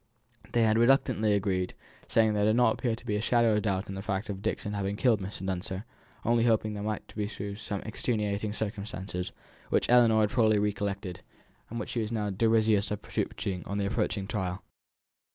They had reluctantly agreed, saying there did not appear to be a shadow of doubt on the fact of Dixon's having killed Mr. Dunster, only hoping there might prove to be some extenuating circumstances, which Ellinor had probably recollected, and which she was desirous of producing on the approaching trial.